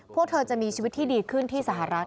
พวกเธอจะมีชีวิตที่ดีขึ้นที่สหรัฐ